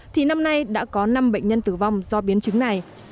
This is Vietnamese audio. thì năm nay đã có năm bệnh nhân tử vong do biến chứng này